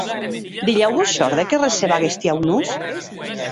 Dilhèu vos shòrde que receba aguesti aunors?